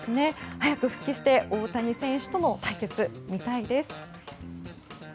早く復帰して大谷選手の対決が見たいです。